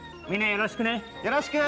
よろしく！